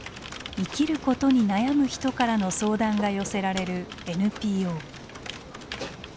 生きることに悩む人からの相談が寄せられるＮＰＯ。